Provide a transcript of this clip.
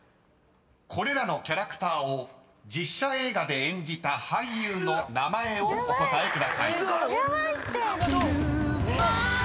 ［これらのキャラクターを実写映画で演じた俳優の名前をお答えください］